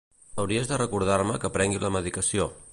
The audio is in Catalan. Hauries de recordar-me que prengui la medicació.